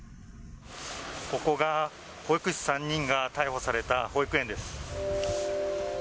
ここが保育士３人が逮捕された保育園です。